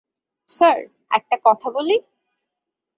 Sir, একটা কথা বলি?